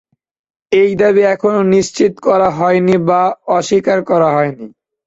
এই দাবি এখনো নিশ্চিত করা হয়নি বা অস্বীকার করা হয়নি।